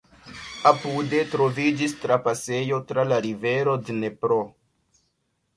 Apude troviĝis trapasejo tra la rivero Dnepro.